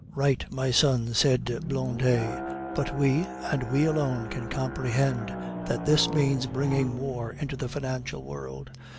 "Right, my son," said Blondet; "but we, and we alone, can comprehend that this means bringing war into the financial world.